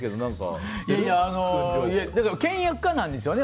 倹約家なんですよね